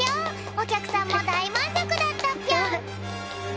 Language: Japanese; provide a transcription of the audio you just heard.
おきゃくさんもだいまんぞくだったぴょん。